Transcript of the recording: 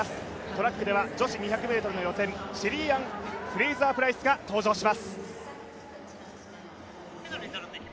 トラックでは女子２００ｍの予選、シェリーアン・フレイザー・プライスが登場します。